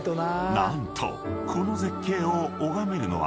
［何とこの絶景を拝めるのは］